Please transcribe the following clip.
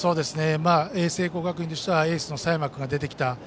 聖光学院としてはエースの佐山君が出てきた。